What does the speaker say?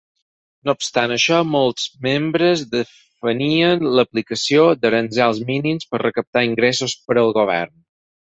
No obstant això, molts membres defenien l'aplicació d'aranzels mínims per recaptar ingressos per al govern.